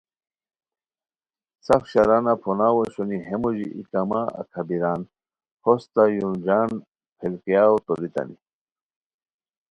سف شرانہ پھوناؤ اوشونی ہے موژی ای کما اکھابیران ہوستہ یورجان پیلکھئیاؤ توریتانی